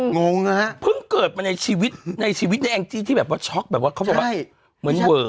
งงงงนะฮะเพิ่งเกิดมาในชีวิตในช็อคแบบว่าเหมือนเว๋อ